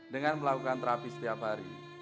dengan melakukan terapi setiap hari